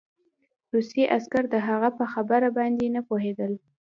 روسي عسکر د هغه په خبره باندې نه پوهېدل